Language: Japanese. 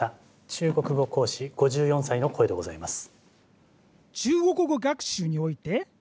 中国語講師５４歳の声でございます。